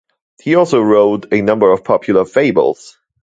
He also wrote a number of popular fables.